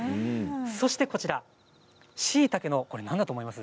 そしてこちら、しいたけのこれ何だと思います？